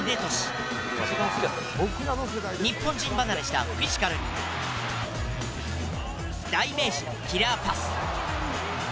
日本人離れしたフィジカルに代名詞のキラーパス。